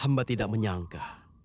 hamba tidak menyangka